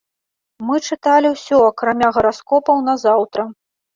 Мы чыталі ўсё акрамя гараскопаў на заўтра.